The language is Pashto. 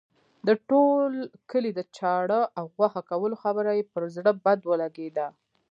د ټول کلي د چاړه او غوښه کولو خبره یې پر زړه بد ولګېده.